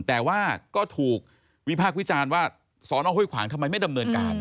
แต่ว่าก็ถูกวิพากษ์วิจารณ์ว่าสอนอห้วยขวางทำไมไม่ดำเนินการ